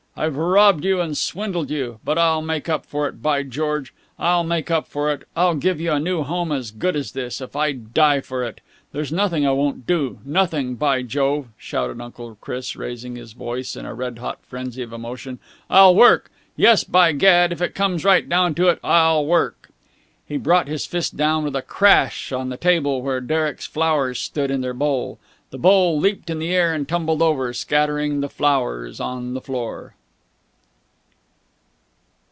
I've robbed you, and swindled you. But I'll make up for it, by George! I'll make up for it! I'll give you a new home, as good as this, if I die for it. There's nothing I won't do! Nothing! By Jove!" shouted Uncle Chris, raising his voice in a red hot frenzy of emotion, "I'll work! Yes, by Gad, if it comes right down to it, I'll work!" He brought his fist down with a crash on the table where Derek's flowers stood in their bowl. The bowl leaped in the air and tumbled over, scattering the flowers on the floor.